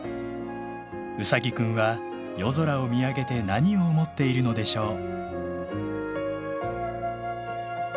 ウサギくんは夜空を見上げて何を思っているのでしょう？